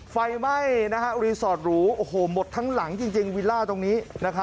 ไฟไหม้รีสอร์ทหรูโอ้โหหมดทั้งหลังจริงวิลล่าตรงนี้